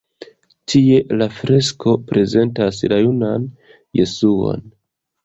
Tie la fresko prezentas la junan Jesuon.